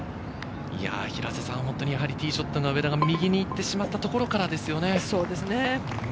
本当にティーショットが上田が右に行ってしまったところからですよね。